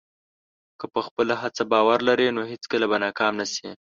که په خپله هڅه باور لرې، نو هېڅکله به ناکام نه شې.